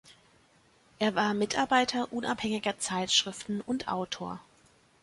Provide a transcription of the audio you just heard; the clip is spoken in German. Er war Mitarbeiter unabhängiger Zeitschriften und Autor.